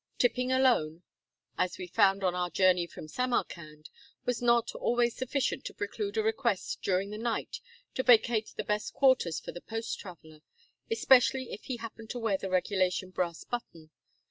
Tipping alone, as we found on our journey from Samarkand, was not always sufficient to preclude a request during the night to vacate the best quarters for the post traveler, especially if he happened to wear the regulation brass button.